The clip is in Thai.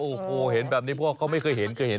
โอ้โหเห็นแบบนี้เพราะว่าเขาไม่เคยเห็นเคยเห็น